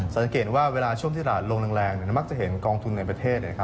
สังเกตว่าเวลาช่วงที่ตลาดลงแรงมักจะเห็นกองทุนในประเทศ